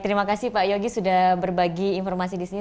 terima kasih pak yogi sudah berbagi informasi di sini